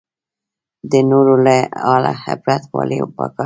د نورو له حاله عبرت ولې پکار دی؟